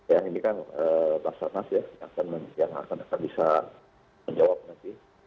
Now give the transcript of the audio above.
yang ini kan pasar nas ya yang akan bisa menjawab nanti